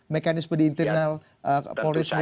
mekanisme di internal kepolisian ini